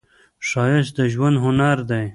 ښایست د ژوند هنر دی